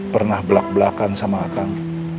pernah belak belakan sama kang